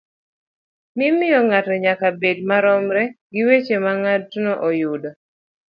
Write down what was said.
mimiyo ng'ato nyaka bed maromre gi weche ma ng'atno oyudo.